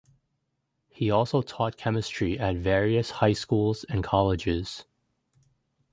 He also taught chemistry at various high schools and colleges.